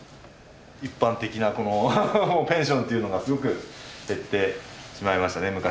一般的なこのペンションっていうのがすごく減ってしまいましたね。